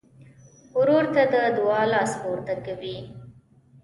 ورور ته د دعا لاس پورته کوي.